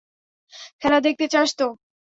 খেলা দেখতে চাস তো?